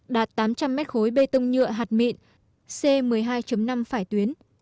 đạt tám trăm linh m ba bê tông nhựa hạt mịn c một mươi hai năm phải tuyến